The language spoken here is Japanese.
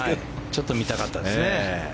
ちょっと見たかったですね。